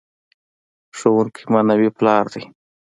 ښوونکی معنوي پلار دی.